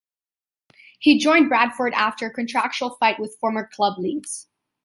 He joined Bradford after a contractual fight with former club Leeds.